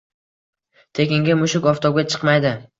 Tekinga mushuk oftobga chiqmaydi